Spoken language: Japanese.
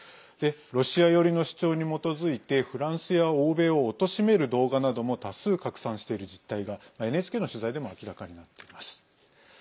ロシア寄りの主張に基づいてフランスや欧米を貶める動画なども多数拡散している実態がＮＨＫの取材でも明らかになっています。